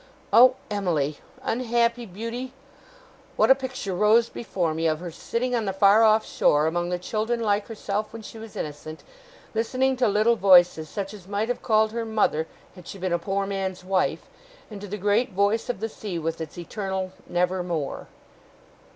Oh, Emily! Unhappy beauty! What a picture rose before me of her sitting on the far off shore, among the children like herself when she was innocent, listening to little voices such as might have called her Mother had she been a poor man's wife; and to the great voice of the sea, with its eternal 'Never more!